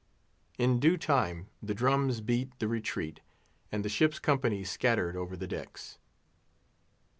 In due time the drums beat the retreat, and the ship's company scattered over the decks.